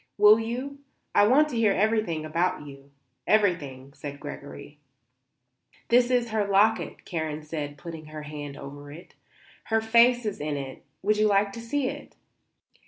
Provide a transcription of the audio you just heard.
"Will you? I want to hear everything about you; everything," said Gregory. "This is her locket," Karen said, putting her hand over it. "Her face is in it; would you like to see it?"